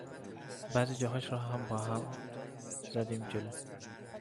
بعضی جاهاش رو هم با هم زدیم جلو